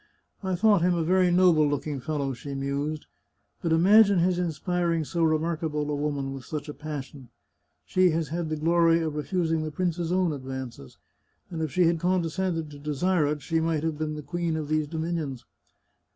" I thought him a very noble looking fellow," she mused. " But imagine his inspiring so remarkable a woman with such a passion ! She has had the glory of refusing the prince's own advances ; and if she had condescended to desire it she might have been the queen of these dominions.